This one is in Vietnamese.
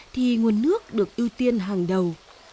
thì nguồn nước được ưu tiên hàng đầu